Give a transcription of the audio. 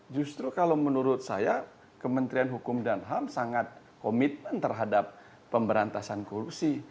justru kalau menurut saya kementerian hukum dan ham sangat komitmen terhadap pemberantasan korupsi